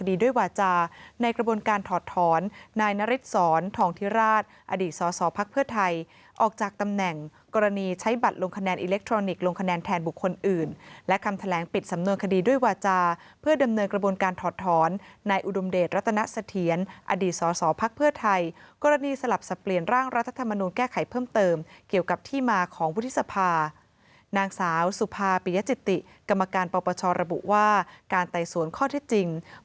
อดีตสอสอภักดิ์เพื่อไทยออกจากตำแหน่งกรณีใช้บัตรลงคะแนนอิเล็กทรอนิกส์ลงคะแนนแทนบุคคลอื่นและคำแถลงปิดสำนวนคดีด้วยวาจาร์เพื่อดำเนินกระบวนการถอดถอนในอุดมเดชรัตนสเทียนอดีตสอสอภักดิ์เพื่อไทยกรณีสลับสะเปียนร่างรัฐธรรมนุนแก้ไขเพิ่มเติมเกี่ยวกับที่มาของวุฒิ